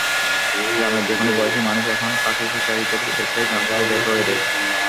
গ্রামের যেকোনো বয়সী মানুষ এখন পাখিশিকারিদের দেখলেই গ্রাম থেকে বের করে দেয়।